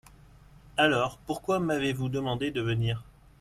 Alors, pourquoi m'avez-vous demandé de venir ?